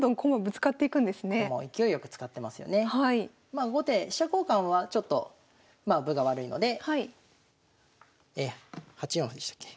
まあ後手飛車交換はちょっとまあ分が悪いので８四歩でしたっけ。